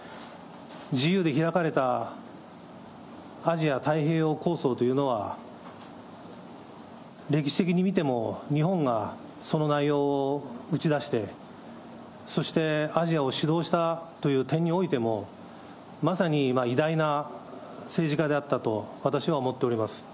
自由で開かれたアジア太平洋構想というのは、歴史的に見ても、日本がその内容を打ち出して、そしてアジアを主導したという点においても、まさに偉大な政治家であったと、私は思っております。